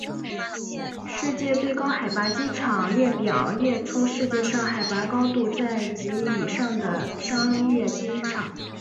世界最高海拔机场列表列出世界上海拔高度在及以上的商业机场。